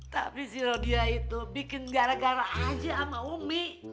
tapi zero dia itu bikin gara gara aja sama umi